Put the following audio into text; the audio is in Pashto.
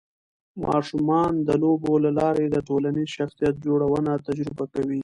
ماشومان د لوبو له لارې د ټولنیز شخصیت جوړونه تجربه کوي.